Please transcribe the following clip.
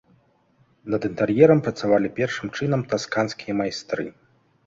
Над інтэр'ерам працавалі першым чынам тасканскія майстры.